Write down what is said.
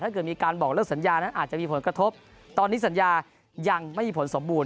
เกิดมีการบอกเลิกสัญญานั้นอาจจะมีผลกระทบตอนนี้สัญญายังไม่มีผลสมบูรณ